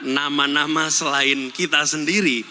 nama nama selain kita sendiri